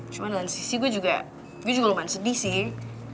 cuma dalam sisi gue juga gue juga lumayan sedih sih